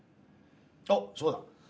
あっそうだ。